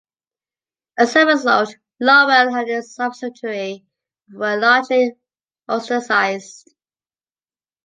As a result, Lowell and his observatory were largely ostracized.